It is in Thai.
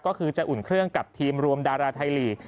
ก็คือจะอุ่นเครื่องกับทีมรวมดาราไทยลีก